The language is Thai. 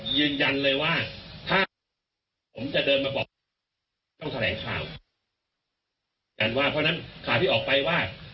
ยืนยันเลยว่าถ้าผมจะเดินมาบอกต้องแสงข่าว